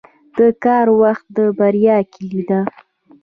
• د کار وخت د بریا کلي ده.